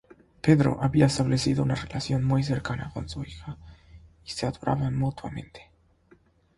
Pedro había establecido una relación muy cercana con su hija y se adoraban mutuamente.